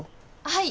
はい。